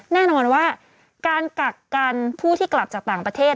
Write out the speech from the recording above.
แน่นอนว่าการกักกันผู้ที่กลับจากต่างประเทศ